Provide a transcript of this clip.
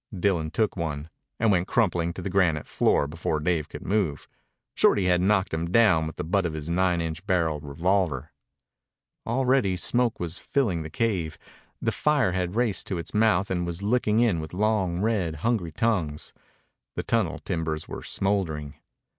Dillon took one, and went crumpling to the granite floor before Dave could move. Shorty had knocked him down with the butt of his nine inch barrel revolver. Already smoke was filling the cave. The fire had raced to its mouth and was licking in with long, red, hungry tongues. The tunnel timbers were smouldering.